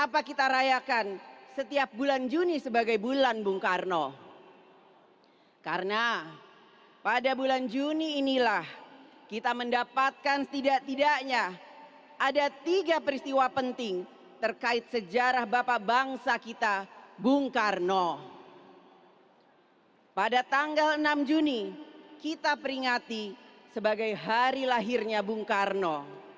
pada tanggal enam juni kita peringati sebagai hari lahirnya bung karno